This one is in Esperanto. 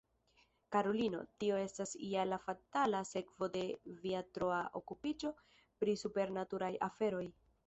karulino, tio estas ja la fatala sekvo de via troa okupiĝo pri supernaturaj aferoj.